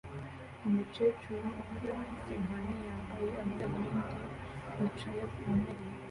Umukecuru ukuze ufite inkoni yambaye amadarubindi yicaye ku ntebe